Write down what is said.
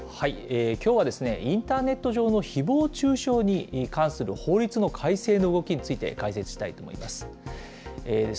きょうはインターネット上のひぼう中傷に関する法律の改正の動きについて解説したいと思います。